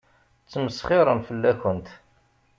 Ttmesxiṛen fell-akent.